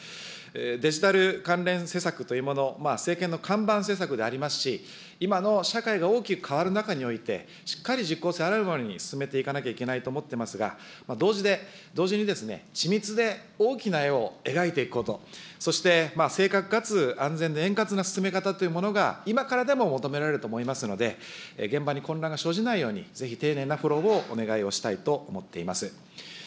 デジタル関連施策というもの、政権の看板施策でありますし、今の社会が大きく変わる中において、しっかり実効性あるものに進めていかなきゃいけないと思ってますが、同時に、緻密で大きな絵を描いていくこと、そして正確かつ、安全で円滑な進め方というものが今からでも求められると思いますので、現場に混乱が生じないように、ぜひ丁寧なフォローをお願いをしたいと思っています。